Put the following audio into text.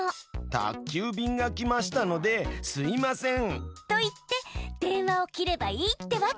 「宅急便が来ましたのですいません」。と言って電話を切ればいいってわけ。